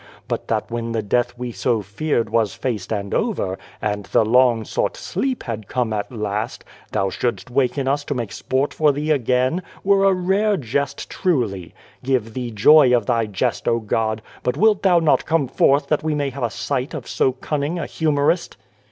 But that when the death we so feared was faced and over, and the long sought sleep had come at last, Thou shouldst waken us to God and the Ant make sport for Thee again, were a rare jest truly! Give Thee joy of Thy jest, O God ! but wilt Thou not come forth that we may have sight of so cunning a humorist